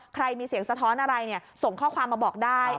ใครมีเสียงสะท้อนอะไรส่งข้อความมาบอกได้